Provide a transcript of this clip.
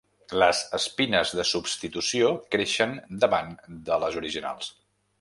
Les espines de substitució creixen davant de les originals.